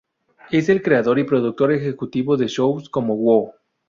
Es el creador y productor ejecutivo de shows como "Wow!